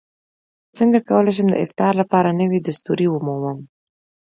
څنګه کولی شم د افتار لپاره نوې دستورې ومومم